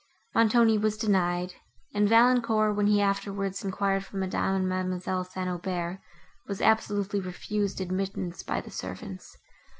Montoni was denied, and Valancourt, when he afterwards enquired for Madame, and Ma'amselle St. Aubert, was absolutely refused admittance by the servants.